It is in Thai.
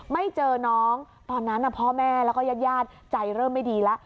ไม่เจอน้องตอนนั้นพ่อแม่แล้วก็ญาติใจเริ่มไม่ดีแล้ว